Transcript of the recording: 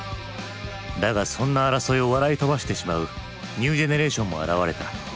だがそんな争いを笑い飛ばしてしまうニュージェネレーションも現れた。